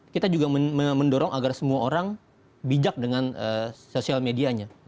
kita juga mendorong agar semua orang bijak dengan sosial medianya